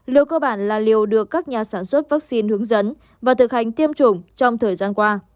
liều cơ bản là liều được các nhà sản xuất vắc xin hướng dẫn và thực hành tiêm chủng trong thời gian qua